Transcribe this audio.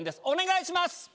お願いします！